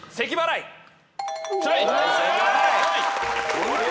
正解。